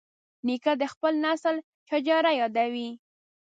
نیکه د خپل نسل شجره یادوي.